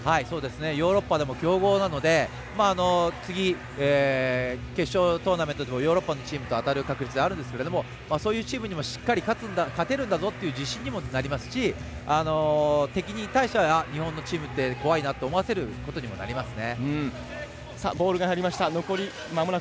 ヨーロッパでも強豪なので次、決勝トーナメントでもヨーロッパのチームと当たる確率がありますがそういうチームにも、しっかり勝てるんだぞという自信にもなりますし敵に対しては日本のチームって怖いなと思わせることにもなりますね。